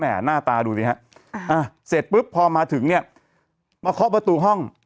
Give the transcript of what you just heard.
แม่น่าตาดูนี่ฮะเสร็จปรึบพอมาถึงเนี้ยมาเขาประตูห้อง